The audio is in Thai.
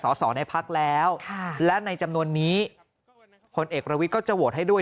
สอในพักแล้วและในจำนวนนี้คนเอกลวิก็จะวอตให้ด้วย